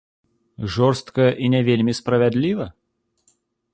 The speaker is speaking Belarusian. Жорстка і не вельмі справядліва?